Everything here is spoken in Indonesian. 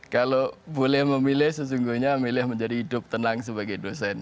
kalau boleh memilih sesungguhnya milih menjadi hidup tenang sebagai dosen